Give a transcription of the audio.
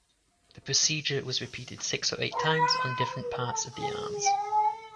The procedure was repeated six or eight times, on different parts of the arms.